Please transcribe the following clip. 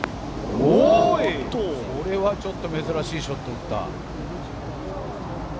これはちょっと珍しいショットを打った。